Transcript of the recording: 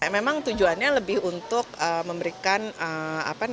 memang tujuannya lebih untuk makanan